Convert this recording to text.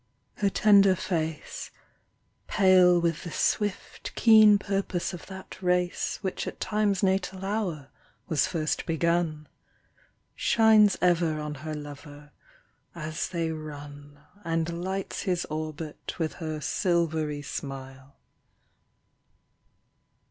Her tender face, Pale with the swift, keen purpose of that race Which at Time's natal hour was first begun, Shines ever on her lover as they run And lights his orbit with her silvery smile.